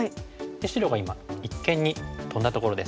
白が今一間にトンだところです。